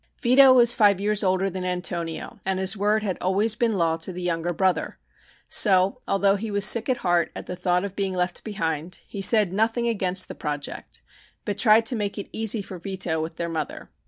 Vito was five years older than Antonio, and his word had always been law to the younger brother, so although he was sick at heart at the thought of being left behind, he said nothing against the project, but tried to make it easy for Vito with their mother.